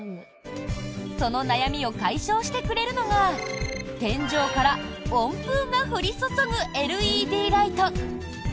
その悩みを解消してくれるのが天井から温風が降り注ぐＬＥＤライト。